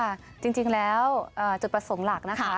จริงแล้วจุดประสงค์หลักนะคะ